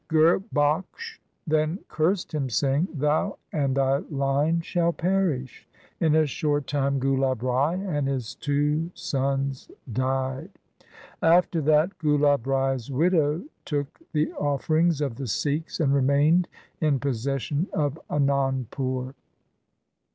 Gurbakhsh then cursed him saying, ' Thou and thy line shall perish !' In a short time Gulab Rai and his two sons died. After that Gulab Rai's widow took theofferings of the Sikhs, and remained in possession of Anandpur.